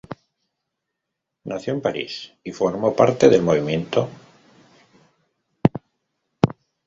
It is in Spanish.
Nació en París y formó parte del movimiento dadaísta.